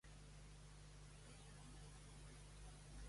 Això la complaïa.